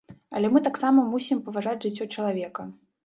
Але мы таксама мусім паважаць жыццё чалавека.